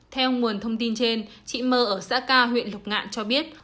theo nguồn thông tin trên chị mơ ở xã ca huyện lục ngạn cho biết